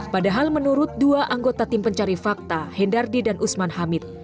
padahal menurut dua anggota tim pencari fakta hendardi dan usman hamid